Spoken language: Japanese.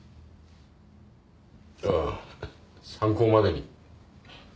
あっ参考までに。